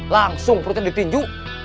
langsung perutnya ditinju